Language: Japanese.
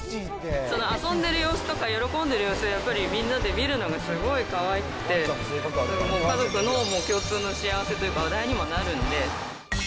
遊んでる様子とか喜んでる様子、みんなで見るのがすごいかわいくて、もう家族の共通の幸せというか、話題にもなるんで。